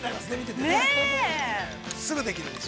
すぐできる。